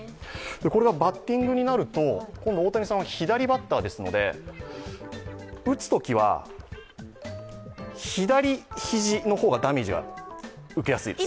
これがバッティングになると、今度、大谷さんは左バッターですので打つときは左肘の方がダメージは受けやすいんです。